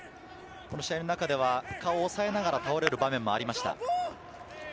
この試合の中では顔を押さえながら倒れる場面もありました。